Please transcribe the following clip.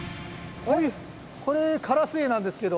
これカラスエイなんですけど。